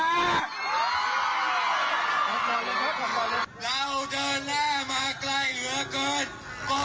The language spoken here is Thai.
เราจะล่ามาใกล้เหลือก่อน